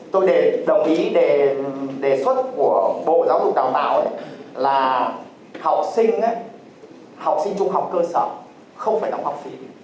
tôi đồng ý đề xuất của bộ giáo dục đào tạo là học sinh trung học cơ sở không phải đóng học phí